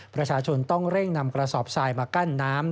ประชาชนต้องเร่งนำกระสอบทรายมากั้นน้ำ